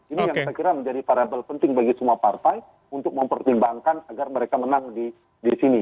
ini yang saya kira menjadi variable penting bagi semua partai untuk mempertimbangkan agar mereka menang di sini